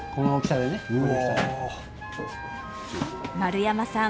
丸山さん